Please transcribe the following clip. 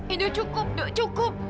eh duk cukup duk cukup